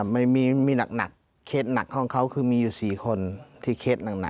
ไม่มีหนักเคสหนักของเขาคือมีอยู่๔คนที่เคสหนัก